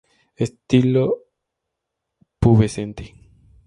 Estilo pubescente.